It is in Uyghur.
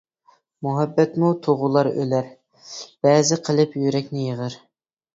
مۇھەببەتمۇ تۇغۇلار ئۆلەر، بەزى قىلىپ يۈرەكنى يېغىر.